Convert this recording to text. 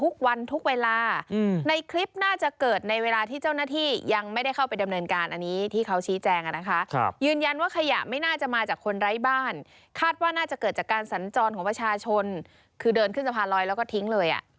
คือเดินขึ้นสะพานลอยแล้วก็ทิ้งเลย